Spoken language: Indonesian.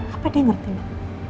apa dia ngerti mba